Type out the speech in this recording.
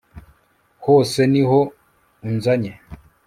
hano se niho unzanye